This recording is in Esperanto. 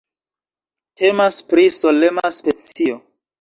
Temas pri solema specio.